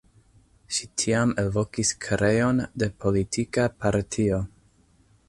Ŝi tiam elvokis kreon de politika partio.